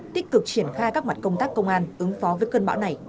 tích cực triển khai các mặt công tác công an ứng phó với cơn bão này